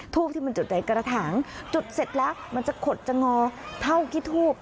ทูบที่มันจุดในกระถางจุดเสร็จแล้วมันจะขดจะงอเท่าที่ทูบ